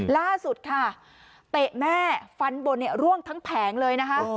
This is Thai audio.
ล่าสุดค่ะเตะแม่ฟันบนร่วงทั้งแผงเลยนะคะ